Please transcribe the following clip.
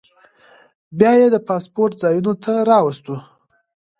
بیا یې د پاسپورټ ځایونو ته راوستو.